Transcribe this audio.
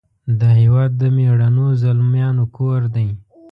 د هیواد د میړنو زلمیانو کور دی .